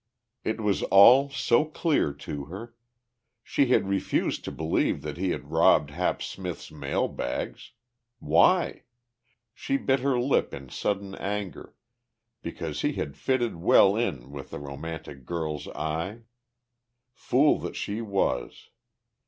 It was all so clear to her. She had refused to believe that he had robbed Hap Smith's mail bags. Why? She bit her lip in sudden anger: because he had fitted well in a romantic girl's eye! Fool that she was.